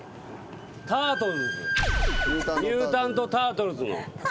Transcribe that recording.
『タートルズ』『ミュータントタートルズ』の。